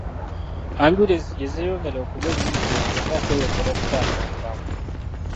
Ambyulensi gye zeeyongera okuba ennyingi gye tukoma okweyongera okutaasa obulamu.